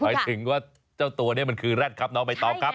หมายถึงว่าเจ้าตัวนี้มันคือแร็ดครับน้องใบตองครับ